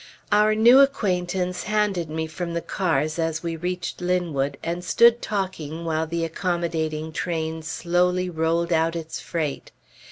Our new acquaintance handed me from the cars as we reached Linwood, and stood talking while the accommodating train slowly rolled out its freight.